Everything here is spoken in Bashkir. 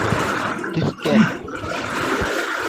Төҫтәр